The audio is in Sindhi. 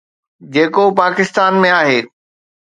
جيڪو پاڪستان ۾ آهي.